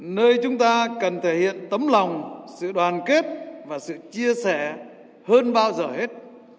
nơi chúng ta cần thể hiện tấm lòng sự đoàn kết và sự chia sẻ hơn bao giờ hết